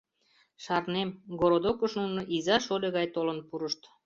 — Шарнем, городокыш нуно иза-шольо гай толын пурышт.